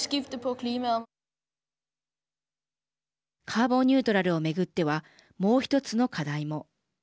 カーボンニュートラルを巡ってはもう１つの課題も。